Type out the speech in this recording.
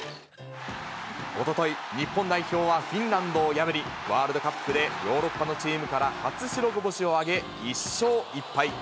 おととい、日本代表はフィンランドを破り、ワールドカップでヨーロッパのチームから初白星を挙げ、１勝１敗。